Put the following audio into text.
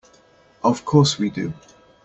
Of course we do.